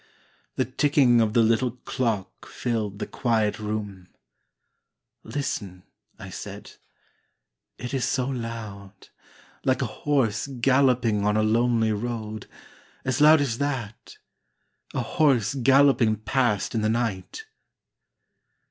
The ticking of the little clock filled the quiet room. "Listen," I said. "It is so loud, Like a horse galloping on a lonely road, As loud as that a horse galloping past in the night."